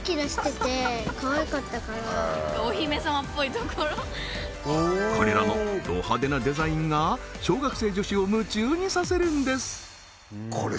ところこれらのド派手なデザインが小学生女子を夢中にさせるんですこれ